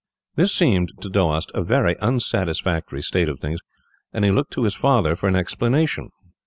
This seemed, to Doast, a very unsatisfactory state of things, and he looked to his father for an explanation.